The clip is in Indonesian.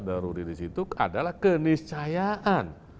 doruri di situ adalah kenisayaan